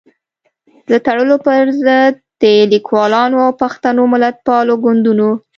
د تړلو پر ضد د ليکوالانو او پښتنو ملتپالو ګوندونو